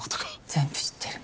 全部知ってるの。